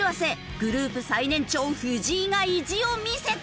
グループ最年長藤井が意地を見せた！